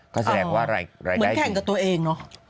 เหมือนแข่งกับตัวเองเนอะ